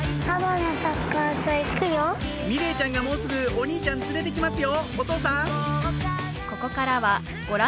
美玲ちゃんがもうすぐお兄ちゃん連れて行きますよ